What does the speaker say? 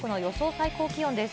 最高気温です。